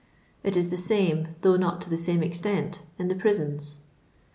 It is the same, though not to the same extent^ in the prisons.